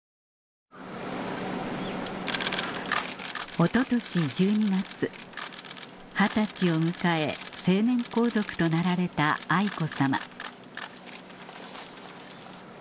おととし１２月二十歳を迎え成年皇族となられた愛子さま